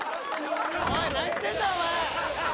・何してんだお前！